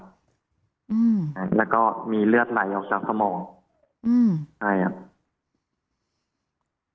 อืมใช่แล้วก็มีเลือดไหลออกตามสมองอืมใช่ครับ